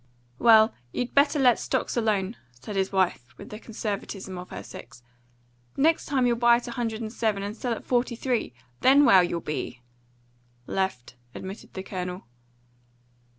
"Well, you better let stocks alone," said his wife, with the conservatism of her sex. "Next time you'll buy at a hundred and seven and sell at forty three. Then where'll you be?" "Left," admitted the Colonel.